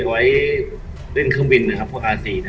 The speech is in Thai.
สวัสดีครับวันนี้เราจะกลับมาเมื่อไหร่